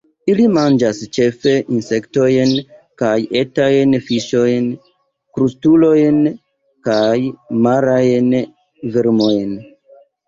Ili manĝas ĉefe insektojn kaj etajn fiŝojn, krustulojn kaj marajn vermojn.